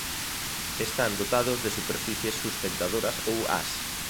Están dotados de superficies sustentadoras ou ás.